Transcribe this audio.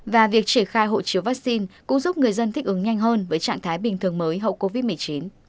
và việc triển khai hộ chiếu vaccine cũng giúp người dân thích ứng nhanh hơn với trạng thái bình thường mới hậu covid một mươi chín